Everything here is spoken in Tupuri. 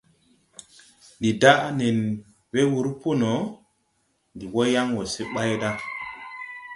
Ndi daʼ nen we wúr pō no, ndi wɔ yan wɔɔ se bay da.